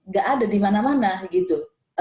gak ada di mana mana gitu